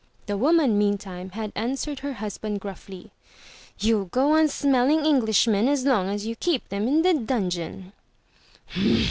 The woman meantime had answered her husband gruffly, You'll go on smelling Englishmen as long as you keep them in the dungeon.